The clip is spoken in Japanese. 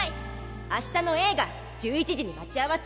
あしたの映画１１時に待ち合わせ。